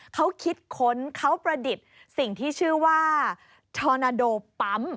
เขาคิดค้นเขาประดิษฐ์สิ่งที่ชื่อว่าชอนาโดปั๊ม